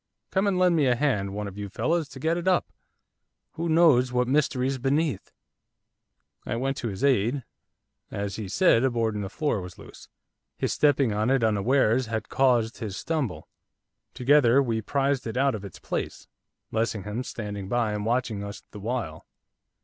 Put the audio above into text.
Come and lend me a hand, one of you fellows, to get it up. Who knows what mystery's beneath?' I went to his aid. As he said, a board in the floor was loose. His stepping on it unawares had caused his stumble. Together we prised it out of its place, Lessingham standing by and watching us the while.